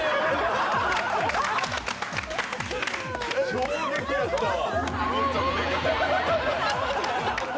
衝撃やったわ。